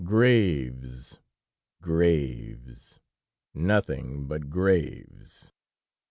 graves! graves! nothing but graves!